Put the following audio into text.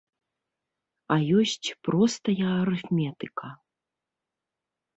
А ёсць простая арыфметыка.